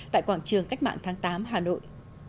tại quảng trường cách mạng tháng tám hà nội